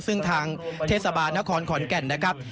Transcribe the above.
ซึ่งทางทศนขขอนเก็ดนะครับ